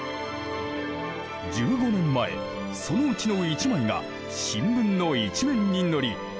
１５年前そのうちの１枚が新聞の一面に載り